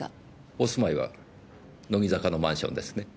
お住まいは乃木坂のマンションですね？